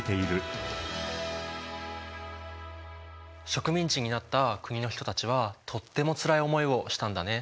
植民地になった国の人たちはとってもつらい思いをしたんだね。